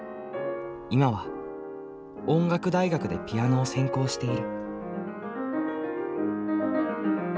今は音楽大学でピアノを専攻している。